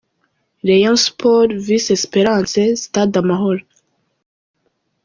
Rayon Sports vs Esperance - Stade Amahoro.